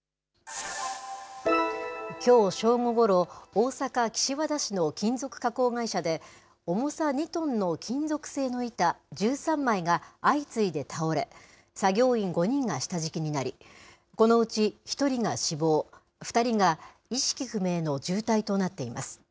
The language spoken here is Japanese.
きょう正午ごろ、大阪・岸和田市の金属加工会社で重さ２トンの金属製の板１３枚が相次いで倒れ、作業員５人が下敷きになり、このうち１人が死亡、２人が意識不明の重体となっています。